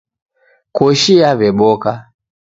Koshi yaw'eboka.